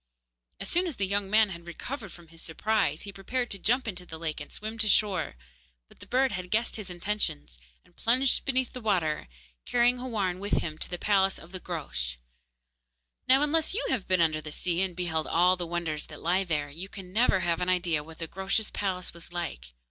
As soon as the young man had recovered from his surprise, he prepared to jump into the lake and swim to shore. But the bird had guessed his intentions, and plunged beneath the water, carrying Houarn with him to the palace of the Groac'h. Now, unless you have been under the sea and beheld all the wonders that lie there, you can never have an idea what the Groac'h's palace was like.